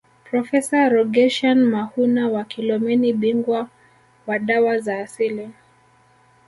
Profesa Rogasian Mahuna wa Kilomeni bingwa wa dawa za asili